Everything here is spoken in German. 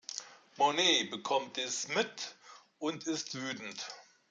Manette bekommt dies mit und ist wütend.